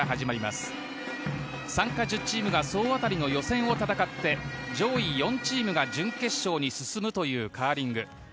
参加１０チームが総当たりの予選を戦って上位４チームが準決勝に進むというカーリング。